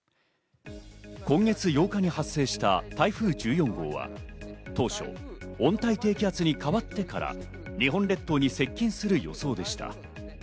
今月８日に発生した台風１４号は、当初、温帯低気圧に変わってから日本列島に接近する予想でした。